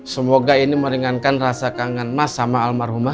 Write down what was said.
semoga ini meringankan rasa kangen mas sama almarhumah